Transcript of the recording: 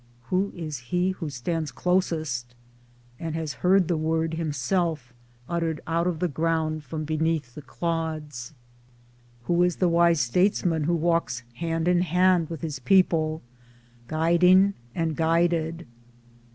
who is he who stands closest ? And has heard the word, himself, uttered out of the ground from between the clods? Who is the wise statesman who walks hand in hand with his people, guiding and guided?